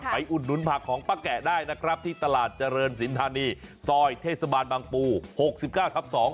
อุดหนุนผักของป้าแกะได้นะครับที่ตลาดเจริญสินธานีซอยเทศบาลบางปู๖๙ทับ๒